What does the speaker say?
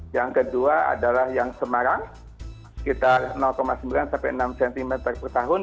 yang kedua adalah yang semarang sekitar sembilan sampai enam cm per tahun